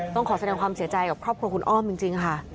ต้องขอแสดงความเสียใจกับครอบครัวคุณอ้อมจริงค่ะ